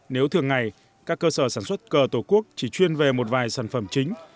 nếu thường ngày các cơ sở sản xuất cờ tổ quốc chỉ chuyên về một vài sản phẩm chính